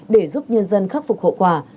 để giúp nhân dân khắc phục hậu quả